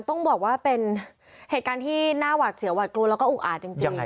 ต้องบอกว่าเป็นเหตุการณ์ที่น่าหวัดเสียหวัดกลัวแล้วก็อุกอาจจริง